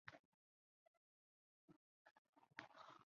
此时不丹还是西藏的边陲。